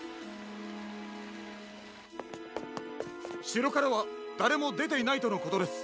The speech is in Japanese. しろからはだれもでていないとのことです。